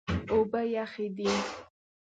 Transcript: اوبه یخې دي.